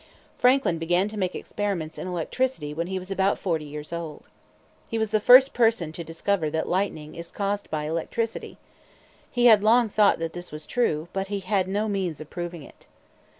Franklin began to make experiments in electricity when he was about forty years old. He was the first person to discover that lightning is caused by electricity. He had long thought that this was true, but he had no means of proving it.